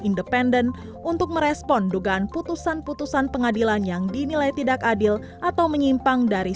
independen untuk merespon dugaan putusan putusan pengadilan yang dinilai tidak adil atau menyimpang dari